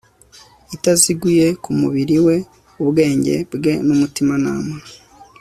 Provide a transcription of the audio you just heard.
itaziguye ku mubiri we ubwenge bwe numutimanama